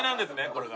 これが。